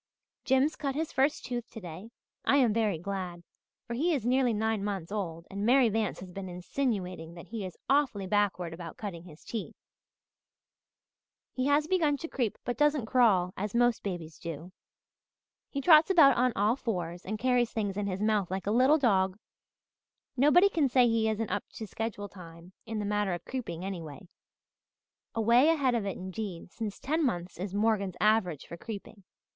"Jims cut his first tooth today. I am very glad, for he is nearly nine months old and Mary Vance has been insinuating that he is awfully backward about cutting his teeth. He has begun to creep but doesn't crawl as most babies do. He trots about on all fours and carries things in his mouth like a little dog. Nobody can say he isn't up to schedule time in the matter of creeping anyway away ahead of it indeed, since ten months is Morgan's average for creeping.